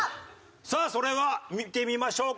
さあそれでは見てみましょうか。